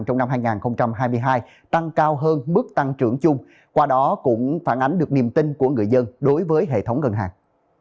trong năm hai nghìn hai mươi hai tăng cao hơn mức tăng trưởng chung qua đó cũng phản ánh được niềm tin của người dân đối với hệ thống ngân hàng